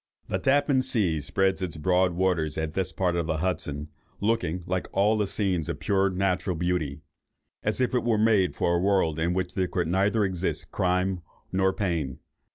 The Tappan Sea spreads its broad waters at this part of the Hudson, looking, like all scenes of pure natural beauty, as if it was made for a world in which there could neither exist crime nor pain.